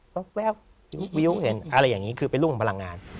แป๊บวิวเห็นอะไรอย่างนี้คือเป็นลูกของพลังงาน